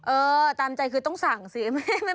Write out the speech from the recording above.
เออตามใจคือต้องสั่งสิ